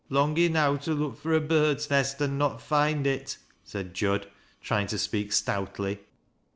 " Long enow to look fur a bird's nest an' not find it," said Jud, trying to speak stoutly.